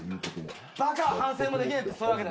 バカは反省もできねえってそういうわけだ。